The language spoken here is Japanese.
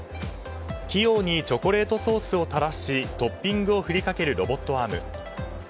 器用にチョコレートソースをたらしトッピングを振りかけるロボットアーム。